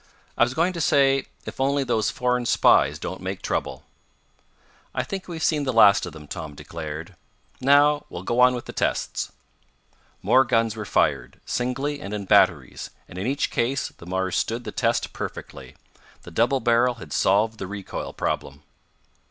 "I was going to say if only those foreign spies don't make trouble." "I think we've seen the last of them," Tom declared. "Now we'll go on with the tests." More guns were fired, singly and in batteries, and in each case the Mars stood the test perfectly. The double barrel had solved the recoil problem.